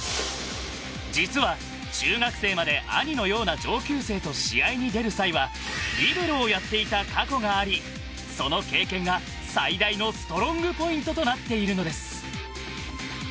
実は中学生まで、兄のような上級生と試合に出る際はリベロをやっていた過去がありその経験が最大のストロングポイントとなっているのです。